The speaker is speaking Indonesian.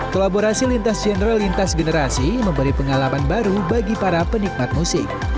kolaborasi lintas genre lintas generasi memberi pengalaman baru bagi para penikmat musik